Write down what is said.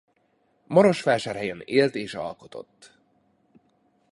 Marosvásárhelyen élt és alkotott.